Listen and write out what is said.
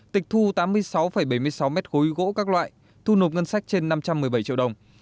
tịch thu tám mươi sáu bảy mươi sáu mét khối gỗ các loại thu nộp ngân sách trên năm trăm một mươi bảy triệu đồng